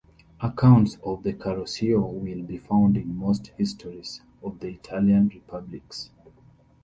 Accounts of the Carroccio will be found in most histories of the Italian republics.